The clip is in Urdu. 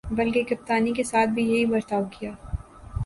بلکہ کپتانی کے ساتھ بھی یہی برتاؤ کیا۔